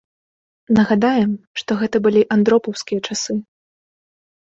Нагадаем, што гэты былі андропаўскія часы.